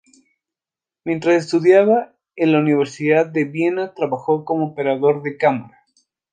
Mientras estudiaba en la Universidad de Viena trabajó como operador de cámara.